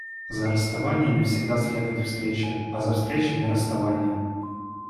За расставаниями всегда следует встреча, а за встречами — расставания.